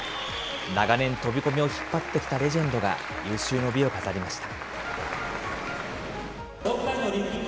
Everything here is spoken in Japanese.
長年、飛び込みを引っ張ってきたレジェンドが、有終の美を飾りました。